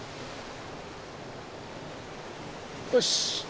よし！